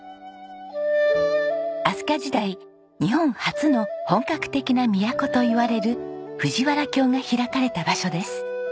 飛鳥時代日本初の本格的な都といわれる藤原京が開かれた場所です。